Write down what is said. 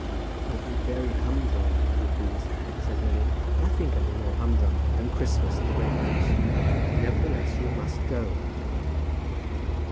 "It will be very humdrum, if you please," said Lily. "Nothing can be more humdrum than Christmas at the Great House. Nevertheless, you must go."